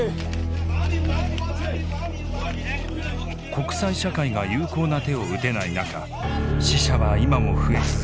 国際社会が有効な手を打てない中死者は今も増え続け